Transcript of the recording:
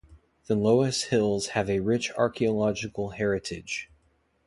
The Loess Hills have a rich archaeological heritage.